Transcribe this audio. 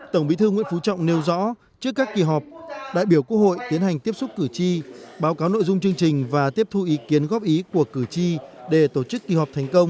tổng bí thư nguyễn phú trọng nêu rõ trước các kỳ họp đại biểu quốc hội tiến hành tiếp xúc cử tri báo cáo nội dung chương trình và tiếp thu ý kiến góp ý của cử tri để tổ chức kỳ họp thành công